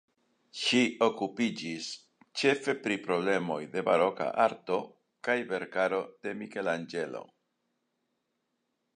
Ŝi okupiĝis ĉefe pri problemoj de baroka arto kaj verkaro de Mikelanĝelo.